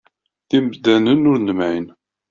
D imdanen ur nemɛin.